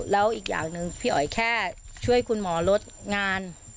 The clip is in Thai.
แล้วอีกอย่างหนึ่งพี่อ๋อยแค่ช่วยคุณหมอลดงาน